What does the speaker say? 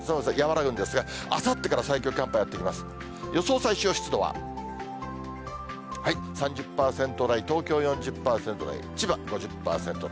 最小湿度は、３０％台、東京４０％台、千葉５０％台。